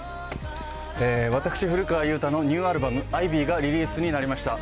私、古川雄大のニューアルバム、ｉ・ｂｅがリリースになりました。